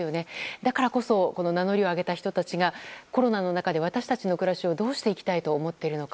だからこそ名乗りを上げた人たちがコロナの中で私たちの暮らしをどうしていきたいと思っているのか